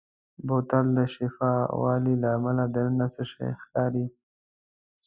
بوتل د شفاف والي له امله دننه څه شی ښکاري.